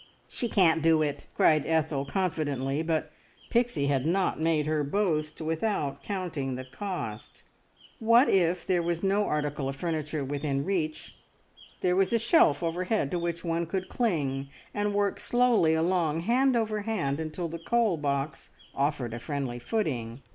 "She can't do it!" cried Ethel confidently; but Pixie had not made her boast without counting the cost. What if there was no article of furniture within reach, there was a shelf overhead to which one could cling and work slowly along hand over hand until the coal box offered a friendly footing!